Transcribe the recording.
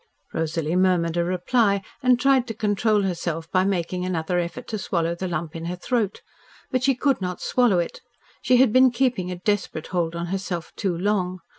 Rosalie murmured a reply and tried to control herself by making another effort to swallow the lump in her throat. But she could not swallow it. She had been keeping a desperate hold on herself too long.